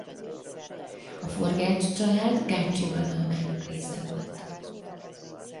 A Forgách család gácsi uradalmának része volt.